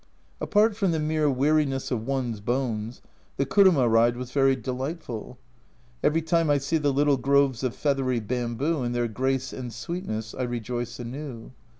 Apart from the mere weariness of one's bones, the kuruma ride was very delightful. Every time I see the little groves of feathery bamboo in their grace and sweetness I rejoice anew.